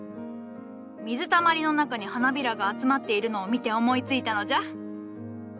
水たまりの中に花びらが集まっているのを見て思いついたのじゃ！